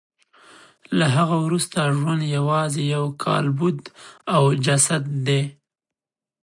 له هغه وروسته ژوند یوازې یو کالبد او جسد دی